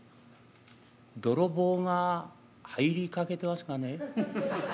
泥棒が入りかけてますがね。